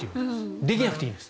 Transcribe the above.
できなくていいんです。